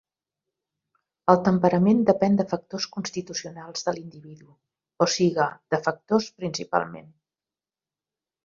El temperament depèn de factors constitucionals de l'individu, o siga de factors principalment: